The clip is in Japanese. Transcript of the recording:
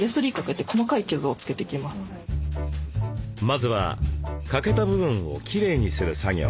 まずは欠けた部分をきれいにする作業。